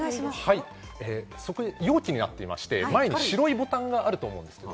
容器になっていまして、前に白いボタンがあると思います。